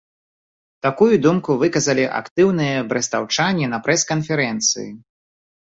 Такую думку выказалі актыўныя брэстаўчане на прэс-канферэнцыі.